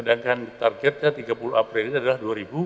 dan targetnya tiga puluh april ini adalah dua delapan ratus lima puluh delapan